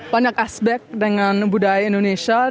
banyak aspek dengan budaya indonesia